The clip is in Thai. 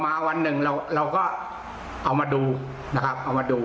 มาวันหนึ่งเราเราก็เอามาดูนะครับ